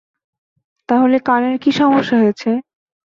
তাহলে কানের কী সমস্যা হয়েছে?